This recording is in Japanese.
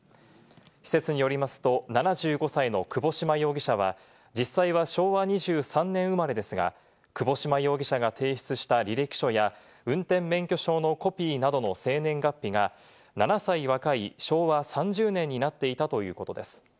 施設によりますと、７５歳の窪島容疑者は、実際は昭和２３年生まれですが、窪島容疑者が提出した履歴書や運転免許証のコピーなどの生年月日が７歳若い昭和３０年になっていたということです。